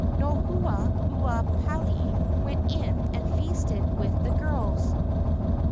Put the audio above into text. Nohu ua palai went in and feasted with the girls.